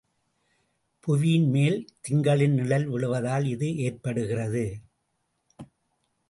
புவியின் மேல் திங்களின் நிழல் விழுவதால் இது ஏற்படுகிறது.